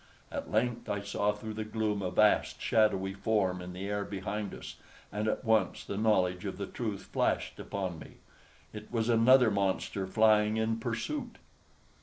At length I saw through the gloom a vast shadowy form in the air behind us, and at once the knowledge of the truth flashed upon me. It was another monster flying in pursuit!